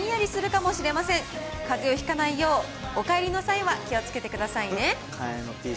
かぜをひかないよう、お帰りの際は気をつけてくださいね。